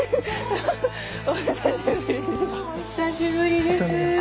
どうもお久しぶりです。